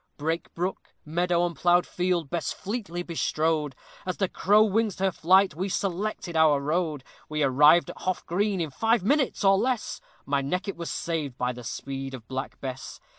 Brake, brook, meadow, and plough'd field, Bess fleetly bestrode, As the crow wings her flight we selected our road; We arrived at Hough Green in five minutes, or less My neck it was saved by the speed of Black Bess.